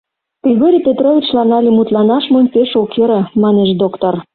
Григорий Петровичлан але мутланаш монь пеш ок йӧрӧ, манеш доктор.